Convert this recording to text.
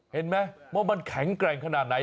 เห็นไหมว่ามันแข็งแกร่งขนาดไหน